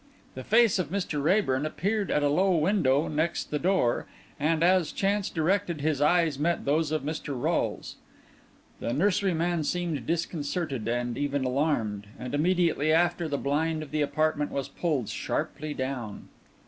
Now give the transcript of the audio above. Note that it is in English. The face of Mr. Raeburn appeared at a low window next the door; and, as chance directed, his eyes met those of Mr. Rolles. The nurseryman seemed disconcerted, and even alarmed; and immediately after the blind of the apartment was pulled sharply down.